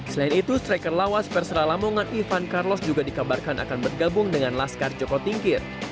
selain itu striker lawas persera lamongan ivan carlos juga dikabarkan akan bergabung dengan laskar joko tingkir